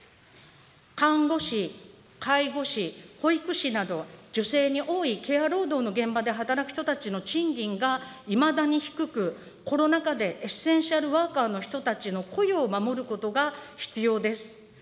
看護師、介護士、保育士など、女性に多いケア労働の現場で働く人たちの賃金がいまだに低く、コロナ禍でエッセンシャルワーカーの人たちの雇用を守ることが必要です。